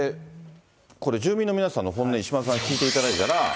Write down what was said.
これ、住民の皆さんの本音、石丸さんに聞いていただいたら。